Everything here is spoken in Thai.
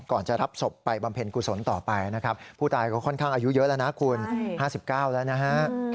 จะรับศพไปบำเพ็ญกุศลต่อไปนะครับผู้ตายก็ค่อนข้างอายุเยอะแล้วนะคุณ๕๙แล้วนะฮะ